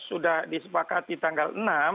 sudah disepakati tanggal enam